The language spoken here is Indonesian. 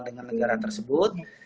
dengan negara tersebut